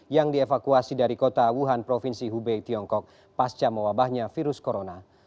yang dievakuasi dari kota wuhan provinsi hubei tiongkok pasca mewabahnya virus corona